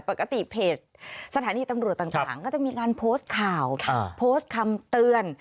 ปกติเพจสถานีตำรวจต่างก็จะมีการโพสต์ข่าวโพสต์คำเตือน